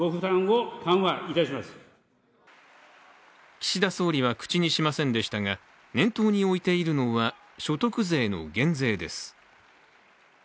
岸田総理は口にしませんでしたが念頭に置いているのは所得税の減税です。